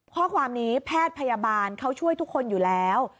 ข้อความนี้แพทย์พยาบาลเขาช่วยทุกคนอยู่แล้ว